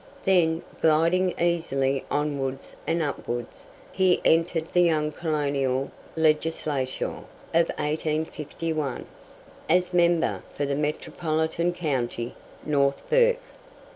Then, gliding easily onwards and upwards, he entered the young colonial Legislature of 1851, as member for the Metropolitan County, North Bourke.